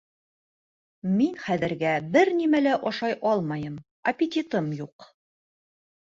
Мин хәҙергә бер нәмә лә ашай алмайым, аппетитым юҡ